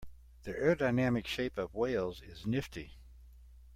The aerodynamic shape of whales is nifty.